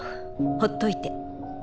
ほっといて。